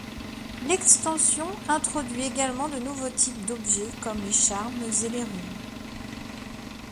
L’extension introduit également de nouveaux types d’objets comme les charmes et les runes.